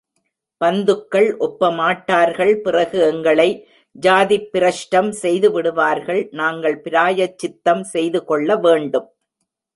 பந்துக்கள் ஒப்பமாட்டார்கள் பிறகு எங்களை ஜாதிப்பிரஷ்டம் செய்து விடுவார்கள், நாங்கள் பிராயச்சித்தம் செய்து கொள்ள வேண்டும்.